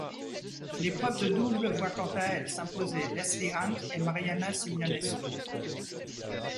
L'épreuve de double voit quant à elle s'imposer Lesley Hunt et Mariana Simionescu.